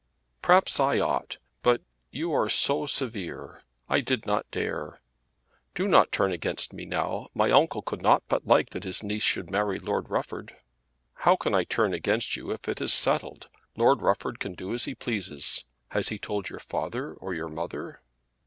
"Perhaps I ought; but you are so severe, that I did not dare. Do not turn against me now. My uncle could not but like that his niece should marry Lord Rufford." "How can I turn against you if it is settled? Lord Rufford can do as he pleases. Has he told your father, or your mother?"